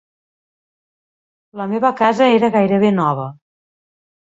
La meva casa era gairebé nova.